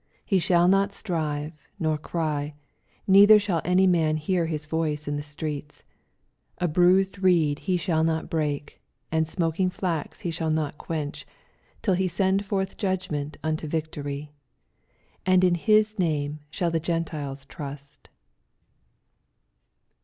19 He shall not strive, nor cry; neither shall any man hear his voice in the streets. 20 A bruised reed shall he not break, and smoking flax shall he not quench, till he send forth judgment unto victoiy. 21 And in his name shall the Gen* tiles trust.